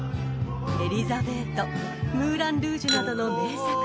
［『エリザベート』『ムーラン・ルージュ！』などの名作に出演］